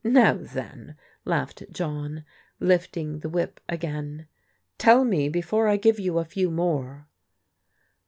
"Now then," laughed John, lifting the whip again, " tell me before I give you a few more."